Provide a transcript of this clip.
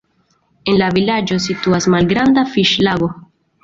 En la vilaĝo situas malgranda fiŝlago.